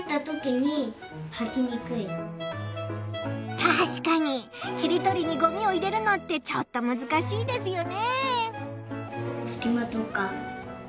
たしかにちりとりにごみを入れるのってちょっとむずかしいですよね。